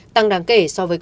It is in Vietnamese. tăng đáng kể